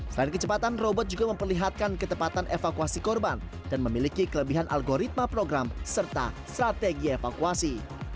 selain kecepatan robot juga memperlihatkan ketepatan evakuasi korban dan memiliki kelebihan algoritma program serta strategi evakuasi